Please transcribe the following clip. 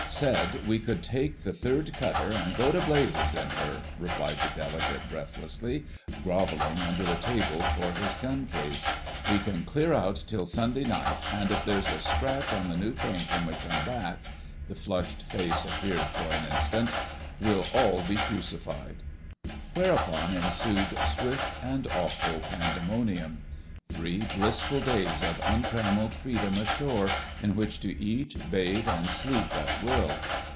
"Said we could take the third cutter, an' go to Blazes in her," replied the delegate breathlessly, grovelling under the table for his gun case. "We can clear out till Sunday night, an' if there's a scratch on the new paint when we come back"—the flushed face appeared for an instant—"we'll all be crucified!" Whereupon ensued swift and awful pandemonium. Three blissful days of untrammelled freedom ashore, in which to eat, bathe, and sleep at will!